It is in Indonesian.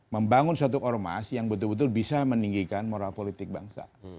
membangun suatu ormas yang betul betul bisa meninggikan moral politik bangsa